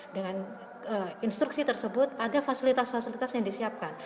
dengan instruksi tersebut ada fasilitas fasilitas yang disiapkan